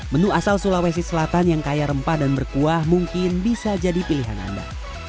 menu asal sulawesi selatan yang kaya rempah dan berkuah mungkin bisa jadi pilihan anda